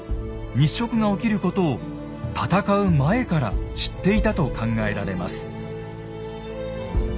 日食が起きることを戦う前から知っていたと考えられます。